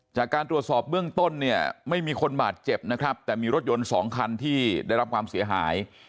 จากการตรวจสอบเบื้องต้นเนี่ยไม่มีคนบาดเจ็บนะครับแต่มีรถยนต์๒คันที่ได้รับความเสียหาย